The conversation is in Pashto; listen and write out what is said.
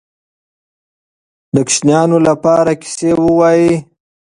د ماشومانو لپاره کیسې ووایئ.